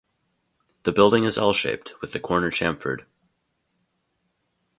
The building is L-shaped, with the corner chamfered.